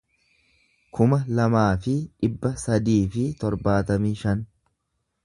kuma lamaa fi dhibba sadii fi torbaatamii shan